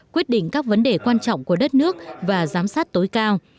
quyết định các vấn đề quan trọng của đất nước và giám sát tối cao